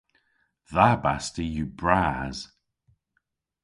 Dha basti yw bras.